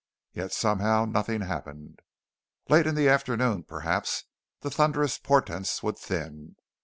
Yet somehow nothing happened. Late in the afternoon, perhaps, the thunderous portents would thin.